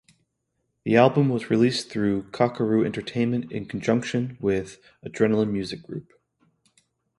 The album was released through Cockaroo Entertainment in conjunction with Adrenaline Music Group.